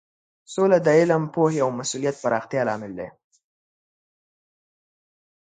سوله د علم، پوهې او مسولیت پراختیا لامل دی.